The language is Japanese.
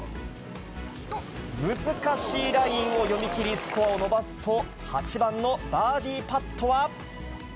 難しいラインを読みきりスコアを伸ばすと８番のバーディーパットは。